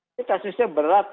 ini kasusnya berlaku